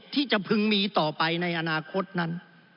ที่จะพึงมีต่อไปในอนาคตนั้น